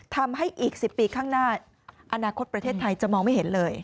ทำให้อีก๑๐ปีข้างหน้าอนาคตประเทศไทยจะมองไม่เห็นเลย